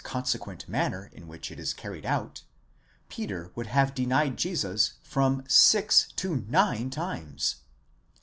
consequent manner in which it is carried out, Peter would have denied Jesus from 6 to 9 times.